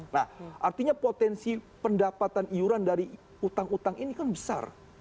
nah artinya potensi pendapatan iuran dari utang utang ini kan besar